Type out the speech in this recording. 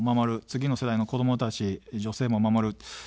次の世代の子どもたち、女性も守る。